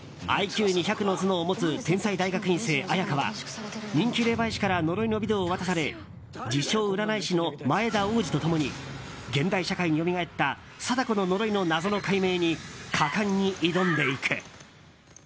ＩＱ２００の頭脳を持つ天才大学院生・文華は人気霊媒師から呪いのビデオを渡され自称占い師の前田王司と共に現代社会によみがえった貞子の呪いの謎の解明に果敢に挑んでいく。